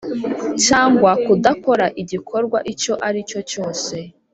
Cyangwa kudakora igikorwa icyo aricyo cyose